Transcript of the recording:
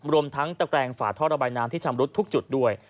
รวมทั้งตะแกรงฝาท่อระบายน้ำที่ชำรุดทุกจุดด้วย